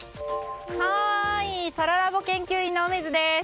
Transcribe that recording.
そらラボ研究員の梅津です。